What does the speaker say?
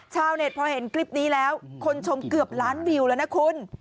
ชาวเน็ตพอเห็นคลิปนี้แล้วคนชมเกือบล้านวิวแล้วนะคุณ